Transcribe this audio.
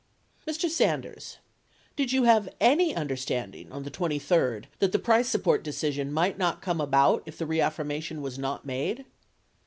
Mr. Sanders. Did you have any understanding on the 23d that the price support decision might not come about if the reaffirmation was not made